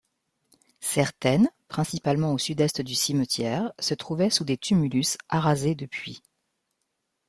Certaines, principalement au sud-est du cimetière, se trouvaient sous des tumulus arasés depuis.